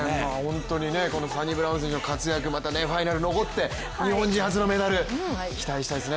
このサニブラウン選手の活躍、ファイナル残って日本人初のメダル期待したいですね。